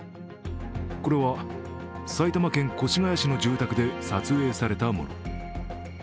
これは、埼玉県越谷市の住宅で撮影されたもの。